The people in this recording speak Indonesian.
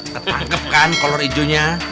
ketangkep kan kolor ijonya